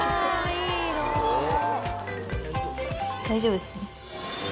大丈夫ですね。